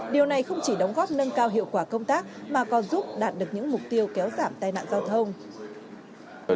điều này không chỉ đóng góp nâng cao hiệu quả công tác mà còn giúp đạt được những mục tiêu kéo giảm tai nạn giao thông